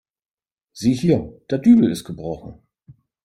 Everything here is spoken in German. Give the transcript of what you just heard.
Sieh hier, der Dübel ist gebrochen.